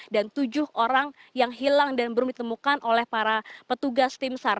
tujuh orang yang hilang dan belum ditemukan oleh para petugas tim sar